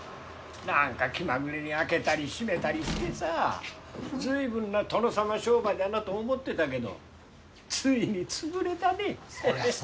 何か気まぐれに開けたり閉めたりしてさ随分な殿様商売だなと思ってたけどついに潰れたねははははっ。